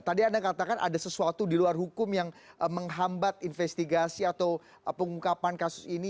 tadi anda katakan ada sesuatu di luar hukum yang menghambat investigasi atau pengungkapan kasus ini